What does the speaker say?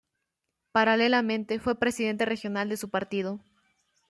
Paralelamente fue presidente regional de su partido.